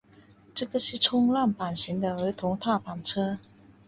这个是冲浪板型的儿童踏板车。